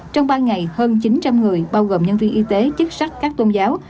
trong ba ngày hơn chín trăm linh người bao gồm nhân viên y tế chức sắc các tôn giáo